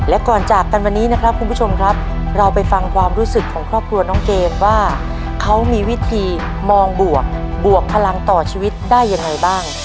และก่อนจากกันวันนี้นะครับคุณผู้ชมครับเราไปฟังความรู้สึกของครอบครัวน้องเกมว่าเขามีวิธีมองบวกบวกพลังต่อชีวิตได้ยังไงบ้าง